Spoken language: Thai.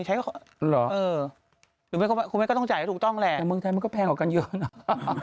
หรือไม่คุณแม่ก็ต้องจ่ายให้ถูกต้องแหละแต่เมืองไทยมันก็แพงกว่ากันเยอะนะ